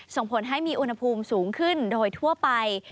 ส่งผลให้มีอุณหภูมิสูงขึ้นโดยทั่วไป